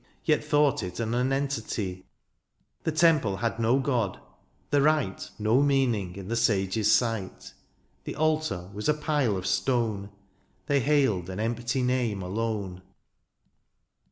Yet thought it a nonentity : The temple had no god ; the rite No meaning in the sages' sight ; The altar was a pile of stone ; They hailed an empty name alone.